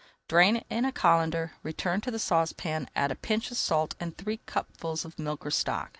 Drain in a colander, [Page 287] return to the saucepan, add a pinch of salt and three cupfuls of milk or stock.